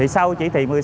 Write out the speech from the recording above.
sau chỉ thị một mươi sáu